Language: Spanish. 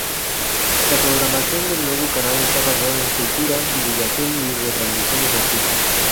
La programación del nuevo canal está basada en cultura, divulgación y retransmisiones artísticas.